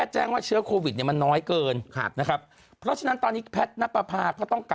สวัสดีครับข้าวใส่ไข่สดใหม่ให้เยอะ